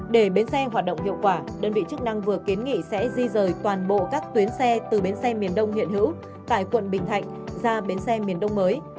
để bến xe hoạt động hiệu quả đơn vị chức năng vừa kiến nghị sẽ di rời toàn bộ các tuyến xe từ bến xe miền đông hiện hữu tại quận bình thạnh ra bến xe miền đông mới